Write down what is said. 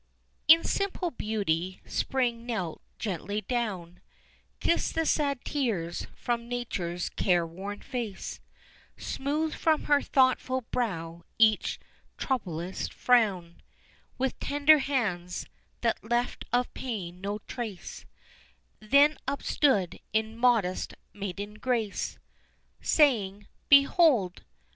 In simple beauty Spring knelt gently down, Kissed the sad tears from Nature's care worn face, Smoothed from her thoughtful brow each troublous frown With tender hands, that left of pain no trace, And then upstood in modest maiden grace, Saying: "Behold!